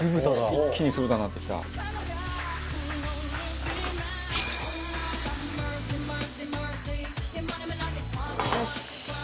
「一気に酢豚になってきた」よし！